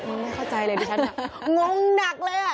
ไม่เข้าใจเลยดิฉันงงหนักเลยอ่ะ